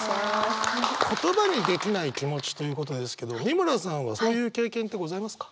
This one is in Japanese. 言葉にできない気持ちということですけど美村さんはそういう経験ってございますか？